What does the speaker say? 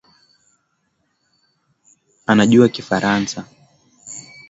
Anajua kifaransa